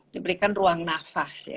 diberikan ruang nafas ya